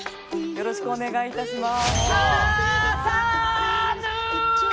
よろしくお願いします。